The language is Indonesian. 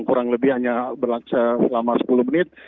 kurang lebih hanya berlaku selama sepuluh menit